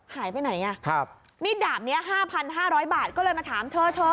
หายไปไหนอ่ะครับมีดดาบนี้๕๕๐๐บาทก็เลยมาถามเธอเธอ